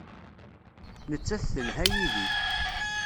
Nettat telha yid-i.